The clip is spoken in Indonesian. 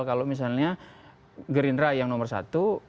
kalau misalnya gerindra yang nomor satu